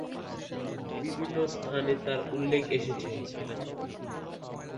বিভিন্ন স্থানে তার উল্লেখ এসেছে।